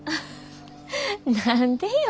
何でよ。